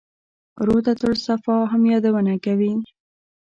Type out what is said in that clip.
روضته الصفا هم یادونه کوي.